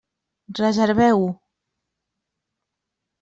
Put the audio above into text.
Reserveu-ho.